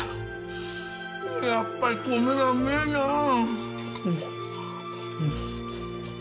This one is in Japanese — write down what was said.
やっぱり米はうめえなあ！